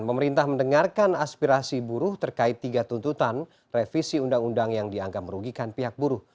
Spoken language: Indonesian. pemerintah mendengarkan aspirasi buruh terkait tiga tuntutan revisi undang undang yang dianggap merugikan pihak buruh